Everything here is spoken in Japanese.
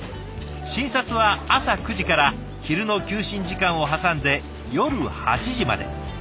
診察は朝９時から昼の休診時間を挟んで夜８時まで。